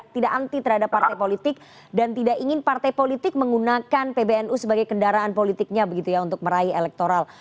tidak anti terhadap partai politik dan tidak ingin partai politik menggunakan pbnu sebagai kendaraan politiknya begitu ya untuk meraih elektoral